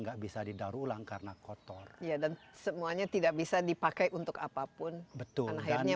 nggak bisa didaruh ulang karena kotor semuanya tidak bisa dipakai untuk apapun betul hanya